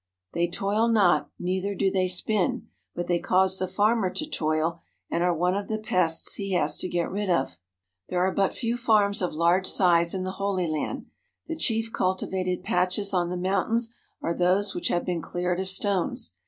"They toil not, neither do they spin," but they cause the farmer to toil and are one of the pests he has to get rid of. There are but few farms of large size in the Holy Land. The chief cultivated patches on the mountains are those .65 THE HOLY LAND AND SYRIA which have been cleared of stones.